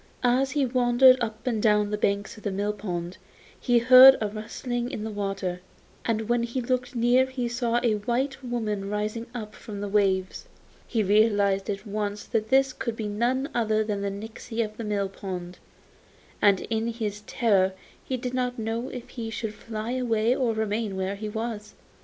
As he wandered up and down on the banks of the mill pond he heard a rustling in the water, and when he looked near he saw a white woman rising up from the waves. He realised at once that this could be none other than the nixy of the mill pond, and in his terror he didn't know if he should fly away or remain where he was.